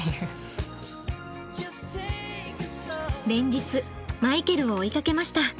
連日マイケルを追いかけました。